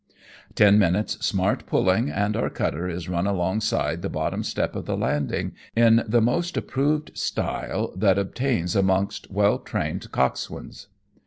Ten minutes' smart pulling and our cutter is run alongside the bottom step of the landing in the most approved style that obtains amongst well trained cox swains.